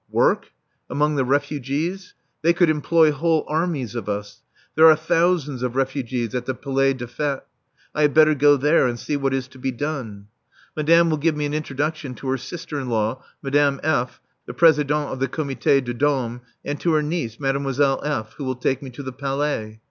Work? Among the refugees? They could employ whole armies of us. There are thousands of refugees at the Palais des Fêtes. I had better go there and see what is being done. Madame will give me an introduction to her sister in law, Madame F., the Présidente of the Comité des Dames, and to her niece, Mademoiselle F., who will take me to the Palais.